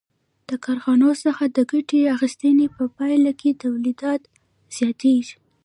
له کارخانو څخه د ګټې اخیستنې په پایله کې تولیدات زیاتېږي